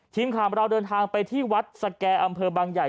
ทีมข่าวเราเดินทางไปที่วัดสแก่อำเภอบางใหญ่